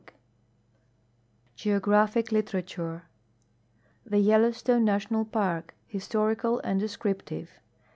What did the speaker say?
GEOGRAPHIC LITERATURE TJie Ydloustone National Park: Historical and descriptive.